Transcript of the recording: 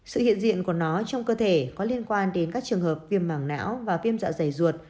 sự hiện diện của nó trong cơ thể có liên quan đến các trường hợp viêm mảng não và viêm dạ dày ruột